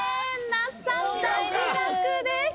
那須さん脱落です。